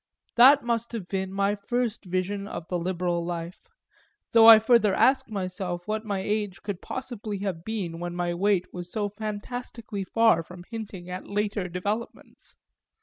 That must have been my first vision of the liberal life though I further ask myself what my age could possibly have been when my weight was so fantastically far from hinting at later developments.